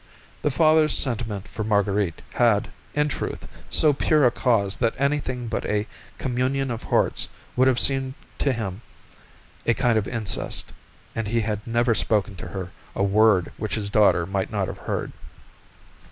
The father's sentiment for Marguerite had, in truth, so pure a cause that anything but a communion of hearts would have seemed to him a kind of incest, and he had never spoken to her a word which his daughter might not have heard.